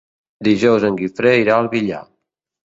Dijous en Guifré irà al Villar.